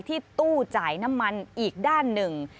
ที่ตู้จ่ายน้ำมันอีกด้านหนึ่ง